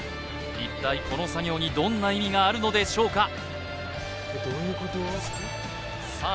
一体この作業にどんな意味があるのでしょうかさあ